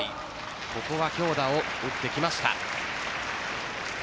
ここは強打を打ってきました。